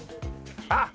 あっ！